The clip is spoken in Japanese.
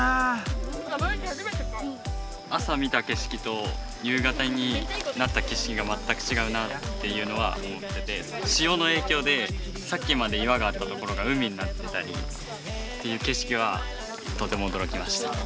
朝見た景色と夕方になった景色が全く違うなっていうのは思ってて潮の影響でさっきまで岩があったところが海になってたりっていう景色はとても驚きました。